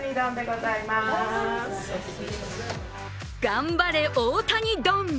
頑張れ大谷丼。